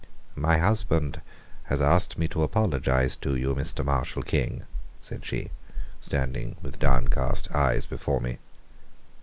"My husband has asked me to apologize to you, Mr. Marshall King," said she, standing with downcast eyes before me.